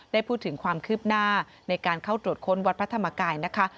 ได้พูดถึงความคืบหน้าในการเข้าตรวจค้นวัดพระธรรมกายนะคะ